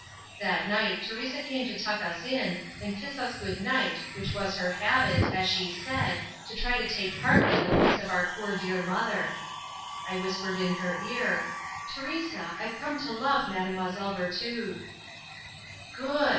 That night Teresa came to tuck us in and kiss us goodnight which was her habit, as she said, to try to take partly the place of our poor dear mother. I whispered in her ear, "Teresa, I've come to love Mademoiselle Virtud." "Good!